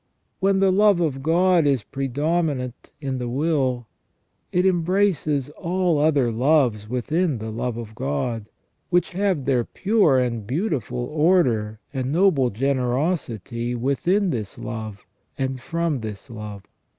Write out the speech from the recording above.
When the love of God is predominate in the will, it embraces all other loves within the love of God, which have their pure and beautiful order and noble generosity within this love, and from this love.